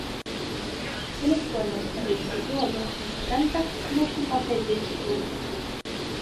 Тэлефоны ў сталіцы і ў абласных цэнтрах можна паглядзець тут.